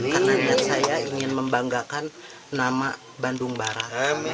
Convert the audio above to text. karena saya ingin membanggakan nama bandung barat